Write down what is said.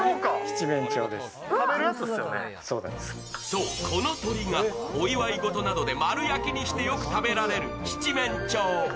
そう、この鳥がお祝い事などで丸焼きにしてよく食べられる七面鳥。